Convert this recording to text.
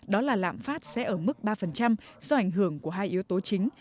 đó là lạm phát sẽ ở mức ba do ảnh hưởng của hai yếu tố chính